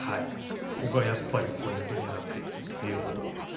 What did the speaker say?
ここがポイントになってくるということになります。